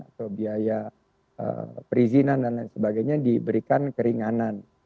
atau biaya perizinan dan lain sebagainya diberikan keringanan